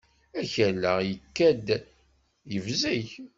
Akal-a ikad-d yebzeg.